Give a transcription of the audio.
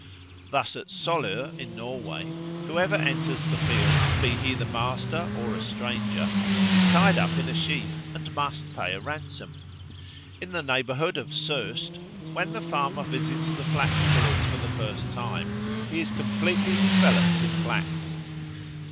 Thus at Solör in Norway, whoever enters the field, be he the master or a stranger, is tied up in a sheaf and must pay a ransom. In the neighbourhood of Soest, when the farmer visits the flax pullers for the first time, he is completely enveloped in flax.